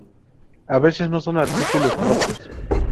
A veces no son artículos propios